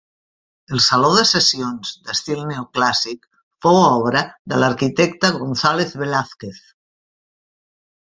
El Saló de Sessions, d'estil neoclàssic, fou obra de l'arquitecte González Velázquez.